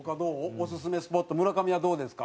オススメスポット村上はどうですか？